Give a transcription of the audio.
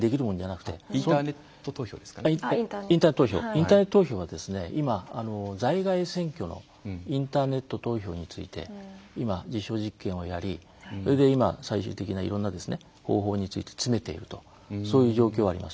インターネット投票は今在外選挙のインターネット投票について今実証実験をやりそれで今最終的ないろんな方法について詰めているとそういう状況があります。